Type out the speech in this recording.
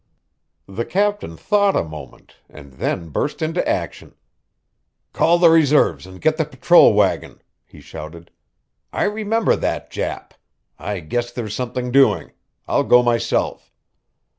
The captain thought a moment and then burst into action: "Call the reserves and get the patrol wagon," he shouted. "I remember that Jap. I guess there's something doing. I'll go myself."